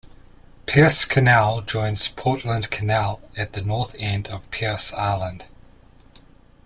Pearse Canal joins Portland Canal at the north end of Pearse Island.